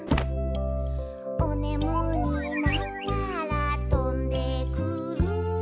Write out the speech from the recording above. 「おねむになったらとんでくる」